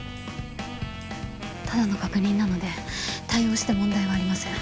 ただの確認なので対応して問題はありません。